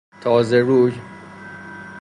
تازه روی